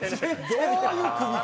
どういう組み方？